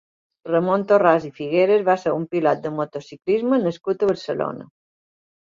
Ramon Torras i Figueras va ser un pilot de motociclisme nascut a Barcelona.